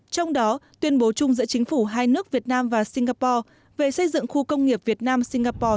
trong đó tuyên bố chung giữa chính phủ hai nước việt nam và singapore về xây dựng khu công nghiệp việt nam singapore